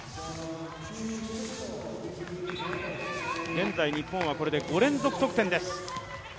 現在日本これで５連続得点です。